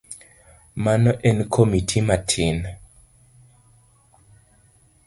Mano en komiti matin.